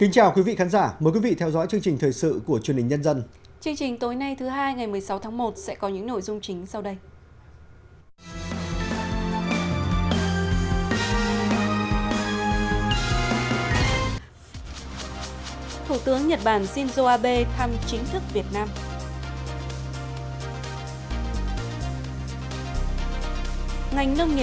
chương trình tối nay thứ hai ngày một mươi sáu tháng một sẽ có những nội dung chính sau đây